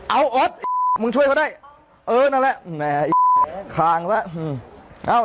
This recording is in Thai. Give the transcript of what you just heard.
มันช่วยเขาได้เออแหละขางแหละ